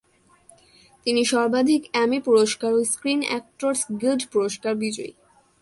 তিনি সর্বাধিক এমি পুরস্কার ও স্ক্রিন অ্যাক্টরস গিল্ড পুরস্কার বিজয়ী।